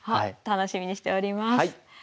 楽しみにしております。